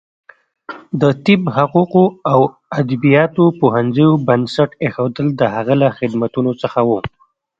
د طب، حقوقو او ادبیاتو پوهنځیو بنسټ ایښودل د هغه له خدمتونو څخه و.